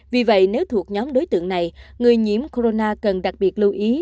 vì vậy nếu thuộc nhóm đối tượng này người nhiễm corona cần đặc biệt lưu ý